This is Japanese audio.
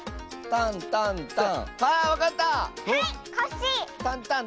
タンタンタン？